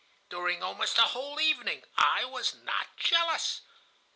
During almost the whole evening I was not jealous.